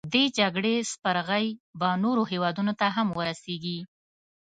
دې جګړې سپرغۍ به نورو هیوادونو ته هم ورسیږي.